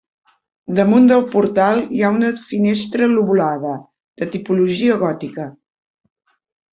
Damunt del portal hi ha una finestra lobulada, de tipologia gòtica.